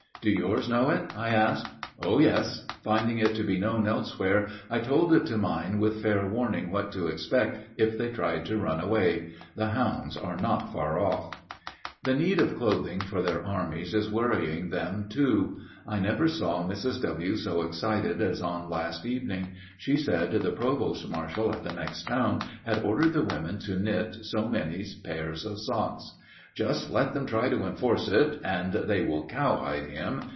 "Do yours know it?" I asked. "Oh, yes. Finding it to be known elsewhere, I told it to mine with fair warning what to expect if they tried to run away. The hounds are not far off." The need of clothing for their armies is worrying them too. I never saw Mrs. W. so excited as on last evening. She said the provost marshal at the next town had ordered the women to knit so many pairs of socks. "Just let him try to enforce it and they will cowhide him.